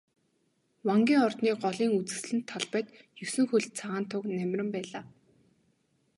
Вангийн ордны голын үзэсгэлэнт талбайд есөн хөлт цагаан туг намиран байлаа.